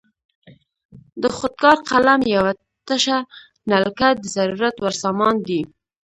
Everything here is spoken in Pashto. د خود کار قلم یوه تشه نلکه د ضرورت وړ سامان دی.